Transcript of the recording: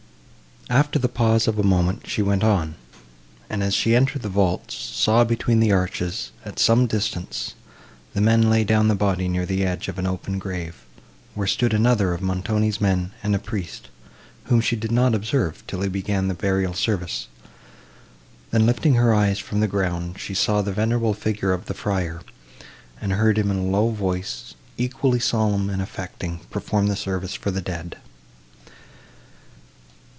After the pause of a moment, she went on, and, as she entered the vaults, saw between the arches, at some distance, the men lay down the body near the edge of an open grave, where stood another of Montoni's men and a priest, whom she did not observe, till he began the burial service; then, lifting her eyes from the ground, she saw the venerable figure of the friar, and heard him in a low voice, equally solemn and affecting, perform the service for the dead.